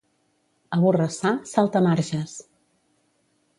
A Borrassà, saltamarges.